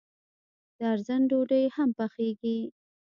د ارزن ډوډۍ هم پخیږي.